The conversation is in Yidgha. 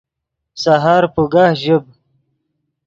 سحر پوگہ ژیب